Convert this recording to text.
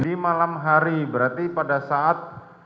di malam hari berarti pada saat